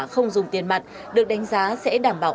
không dùng tiền mặt được đánh giá sẽ đảm bảo